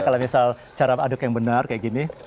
kalau misal cara aduk yang benar gitu kan ya